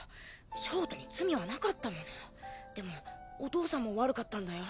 焦凍に罪はなかったものでもお父さんも悪かったんだよ。